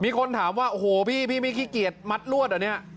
มีคนถามว่าโอ้โหพี่ไม่ขี้เกียจมัดรวดเหรอเนี่ย